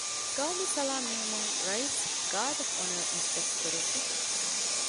ޤައުމީ ސަލާމް ނިމުމުން ރައީސް ގާރޑް އޮފް އޮނަރ އިންސްޕެކްޓް ކުރެއްވި